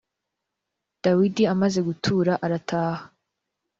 dawidi amaze gutura arataha.